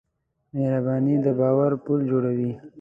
مهرباني د باور پُل جوړوي.